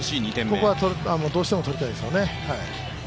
ここはどうしても取りたいですよね。